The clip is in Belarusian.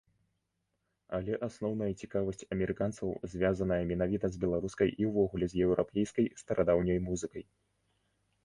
Але асноўная цікавасць амерыканцаў звязаная менавіта з беларускай і ўвогуле з еўрапейскай старадаўняй музыкай.